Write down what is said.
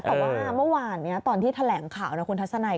แต่ว่าเมื่อวานตอนที่แถลงข่าวนะคุณทัศนัย